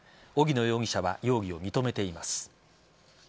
荻野容疑者は容疑を認めています。